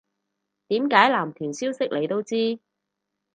點解男團消息你都知